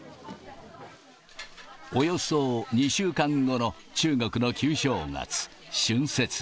およそ２週間後の中国の旧正月、春節。